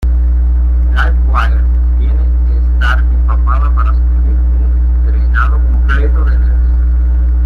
Livewire tiene que estar empapada para sufrir un drenado completo de energía.